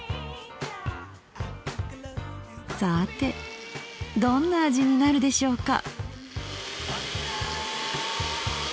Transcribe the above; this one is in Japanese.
さてどんな味になるでしょうか。